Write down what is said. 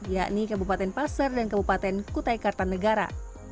yakni kebupaten pasar dan kebupaten kutai kartanegara